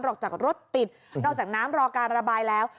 ออกจากรถติดนอกจากน้ำรอการระบายแล้ว